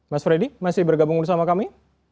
mas freddy masih bergabung bersama kami